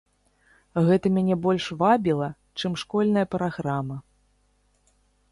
Гэта мяне больш вабіла, чым школьная праграма.